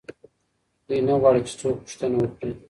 دوی نه غواړي چې څوک پوښتنه وکړي.